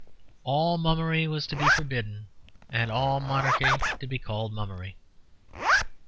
All mummery was to be forbidden, and all monarchy to be called mummery.